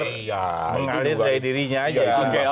mengalir dari dirinya aja